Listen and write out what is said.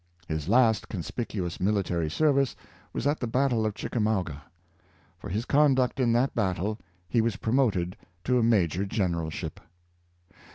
His last conspicuous military service was at the battle of Chicamauga. For 17G James A, Garfield, his conduct in that battle he was promoted to a Major Generalship.